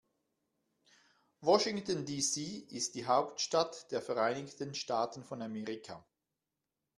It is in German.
Washington, D.C. ist die Hauptstadt der Vereinigten Staaten von Amerika.